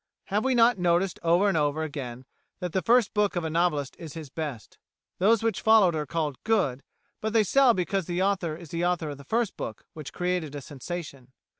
Have we not noticed over and over again that the first book of a novelist is his best? Those which followed are called "good," but they sell because the author is the author of the first book which created a sensation.